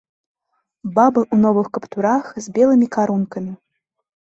Бабы ў новых каптурах з белымі карункамі.